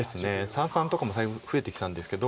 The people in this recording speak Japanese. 三々とかも増えてきたんですけど。